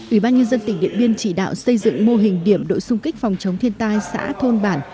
ủy ban nhân dân tỉnh điện biên chỉ đạo xây dựng mô hình điểm đội xung kích phòng chống thiên tai xã thôn bản